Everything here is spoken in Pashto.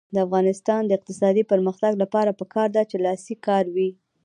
د افغانستان د اقتصادي پرمختګ لپاره پکار ده چې لاسي کار وي.